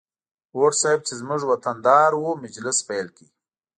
هوډ صیب چې زموږ وطن دار و مجلس پیل کړ.